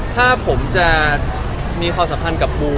ถ้าผมจะมีความสัมพันธ์กับปู